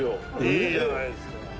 「いいじゃないですか」